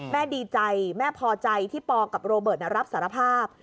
ดีใจแม่พอใจที่ปกับโรเบิร์ตรับสารภาพ